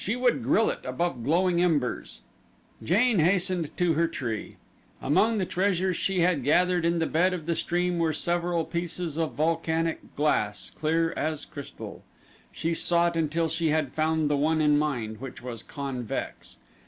She would grill it above glowing embers. Jane hastened to her tree. Among the treasures she had gathered in the bed of the stream were several pieces of volcanic glass, clear as crystal. She sought until she had found the one in mind, which was convex.